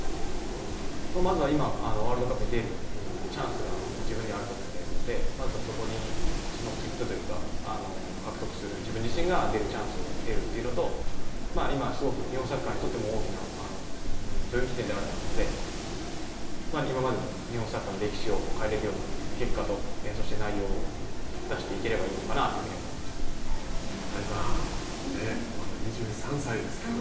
まずは今ワールドカップに出るチャンスが自分にはあると思っているので、まずはそこにその切符というか獲得する、自分自身が出るチャンスを得るというのと、今すごく日本サッカーにとっても大きな分岐点であると思うので、今までの日本サッカーの歴史を変えれるような結果と、そして内容を出していけ谷さん、まだ２３歳ですけど